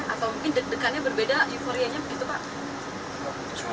atau mungkin deg degannya berbeda euforianya begitu pak